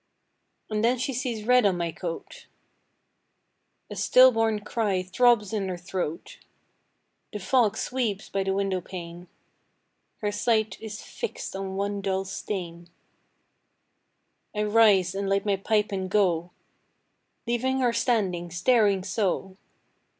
And then she sees red on my coat. A still born cry throbs in her throat. The fog sweeps by the window pane. Her sight is fixed on one dull stain. I rise and light my pipe and go, Leaving her standing, staring so.